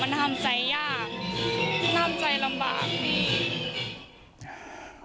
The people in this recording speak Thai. มันทำใจยากทำใจลำบากพี่